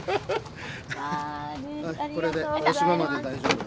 はいこれで大島まで大丈夫だ。